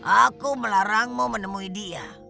aku melarangmu menemui dia